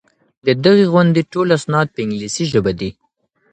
د دغي غونډې ټول اسناد په انګلیسي ژبه دي.